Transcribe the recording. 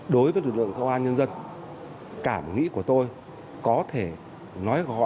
đối với lực lượng công an nhân dân cảm nghĩ của tôi có thể nói gọn trong tám chữ